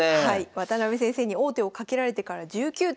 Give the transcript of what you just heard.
渡辺先生に王手をかけられてから１９手。